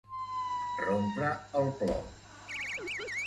Rompre el plor.